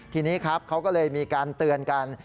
ทีนี้ครับเขาก็เลยมีการเตือนกัน